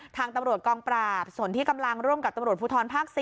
ทางตำรวจกองปราบส่วนที่กำลังร่วมกับตำรวจภูทรภาค๔